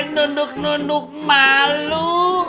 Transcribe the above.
nunuk nunuk malu